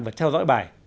và theo dõi bài